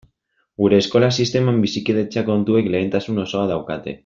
Gure eskola sisteman bizikidetza kontuek lehentasun osoa daukate.